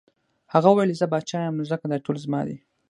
هغه وویل زه پاچا یم نو ځکه دا ټول زما دي.